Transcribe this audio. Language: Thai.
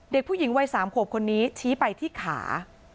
เด็กผู้หญิงวัย๓ขวบคนนี้ชี้ไปที่ขา